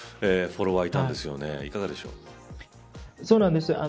そうなんです。